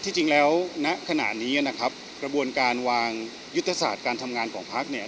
จริงแล้วณขณะนี้นะครับกระบวนการวางยุทธศาสตร์การทำงานของพักเนี่ย